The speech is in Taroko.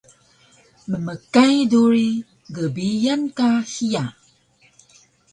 Mmkay duri gbiyan ka hiya